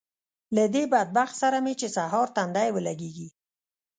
له دې بدبخت سره مې چې سهار تندی ولګېږي